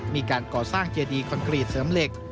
มีการก่อสร้างเจดีคอนกรีตเสริมเหล็ก